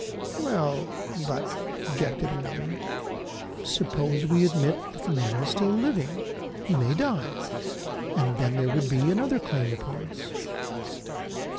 "Well, but," objected another, "suppose we admit that the man is still living. He may die, and then there would be another claim upon us."